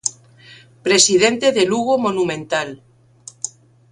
Presidente de Lugo Monumental.